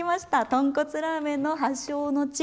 とんこつラーメンの発祥の地。